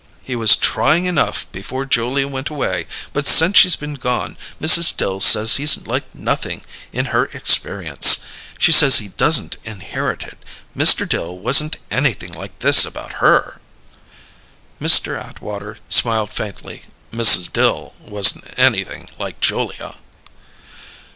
He was trying enough before Julia went away; but since she's been gone Mrs. Dill says he's like nothing in her experience. She says he doesn't inherit it; Mr. Dill wasn't anything like this about her." Mr. Atwater smiled faintly. "Mrs. Dill wasn't anything like Julia."